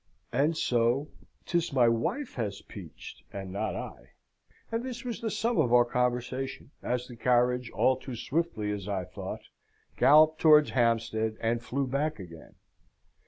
And so 'tis my wife has peached, and not I; and this was the sum of our conversation, as the carriage, all too swiftly as I thought, galloped towards Hampstead, and flew back again.